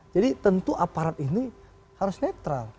jadi tentu aparat ini harus netizen